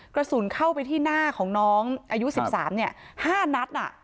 กระสุนเข้าไปที่หน้าของน้องอายุ๑๓๕นัด